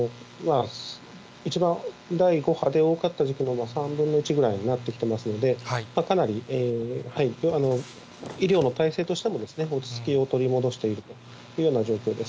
一番、第５波で多かった時期の３分の１ぐらいになってきてますんで、かなり医療の体制としても落ち着きを取り戻しているというような状況です。